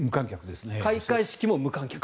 開会式も無観客と。